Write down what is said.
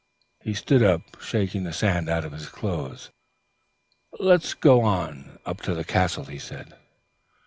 He stood up, shaking the sand out of his clothes. "Let us go on, up to the castle," he said.